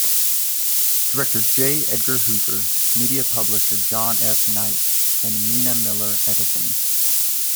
Director J. Edgar Hoover, media publisher John S. Knight, and Mina Miller Edison.